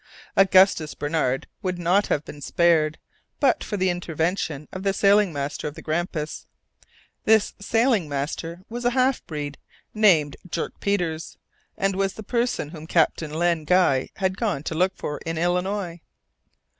Augustus Barnard would not have been spared, but for the intervention of the sailing master of the Grampus. This sailing master was a half breed named Dirk Peters, and was the person whom Captain Len Guy had gone to look for in Illinois!